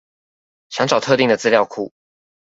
想找特定的資料庫